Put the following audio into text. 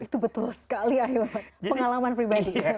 itu betul sekali akhirnya pengalaman pribadi